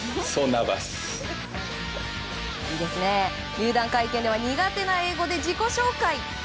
入団会見では苦手な英語で自己紹介。